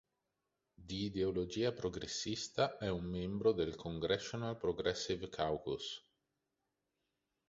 Di ideologia progressista, è un membro del Congressional Progressive Caucus.